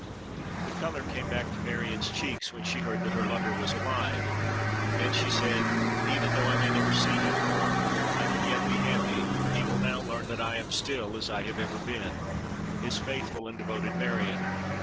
The colour came back to Marion's cheeks when she heard that her lover was alive; and she said, 'Even though I may never see him more, I can yet be happy; for he will now learn that I am still as I have ever been, his faithful and devoted Marion!'